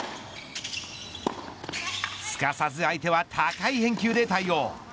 すかさず相手は高い返球で対応。